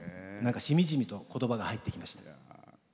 しみじみとことばが入ってきました。